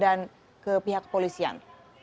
dan ke pihak polisian